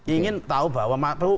ingin tahu bahwa